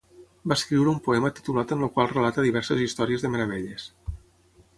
Va escriure un poema titulat en el qual relata diverses històries de meravelles.